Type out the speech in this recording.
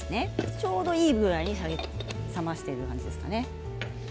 ちょうどいいぐらいに冷ましていますね。